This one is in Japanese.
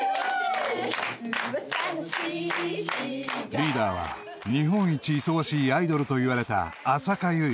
［リーダーは日本一忙しいアイドルといわれた浅香唯］